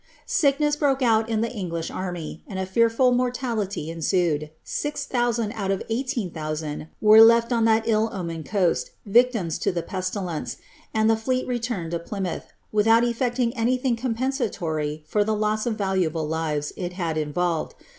Sickness broke out in the English army, and a fearful morulitjr •» ■ut^d. Six thousand out of eigliieen ihoueand were left on that til omened coast, victiuB lo the pestilence, and ihe Aeei retomed to Pijr inouili, without effecting anything compensaiory for the loss of raliaUf lii ea it had involved.